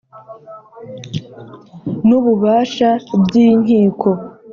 N ububasha by inkiko